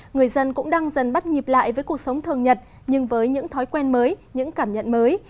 người dân cũng đang dần bắt nhịp lại với cuộc sống thường nhật nhưng với những thói quen mới những cảm nhận mới